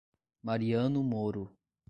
Mariano Moro